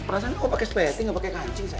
perasaan kayak aku pakai speting gak pakai kancing